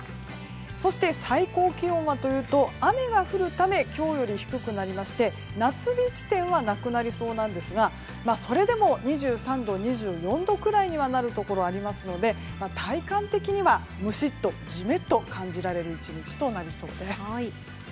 そして、最高気温はというと雨が降るため今日より低くなりまして夏日地点はなくなりそうなんですがそれでも２３度、２４度くらいにはなるところがありますので体感的にはムシッとジメッと感じられる１日となりそうです。